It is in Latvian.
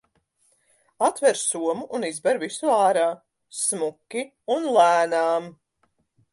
Atver somu un izber visu ārā, smuki un lēnām.